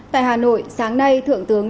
tại hà nội sáng nay thượng tướng